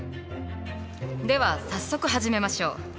では早速始めましょう。